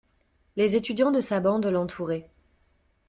Les étudiants de sa bande l'entouraient.